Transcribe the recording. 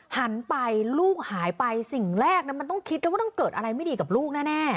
หันไปลูกหายไปสิ่งแรกมันต้องคิดแล้วว่าต้องเกิดอะไรไม่ดีกับลูกแน่